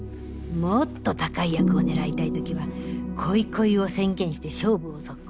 もっと高い役を狙いたい時は「こいこい」を宣言して勝負を続行。